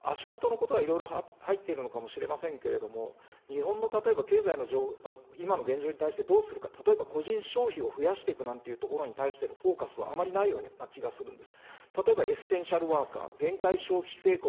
それと今回の補正では、足元のことはいろいろ入っているのかもしれませんけれども、日本の例えば経済の今の現状に対してどうするか、例えば、個人消費を増やしていくなんていうところに対してのフォーカスはあまりないような気がするんです。